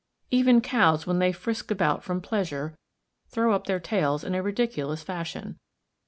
Even cows when they frisk about from pleasure, throw up their tails in a ridiculous fashion.